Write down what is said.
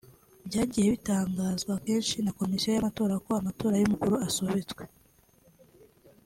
Byagiye bitangazwa kenshi na komisiyo y’amatora ko amatora y’umukuru asubitswe